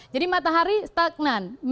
jadi matahari stagnan